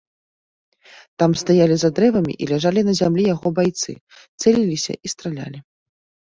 Там стаялі за дрэвамі і ляжалі на зямлі яго байцы, цэліліся і стралялі.